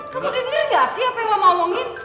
kamu denger gak sih apa yang mama omongin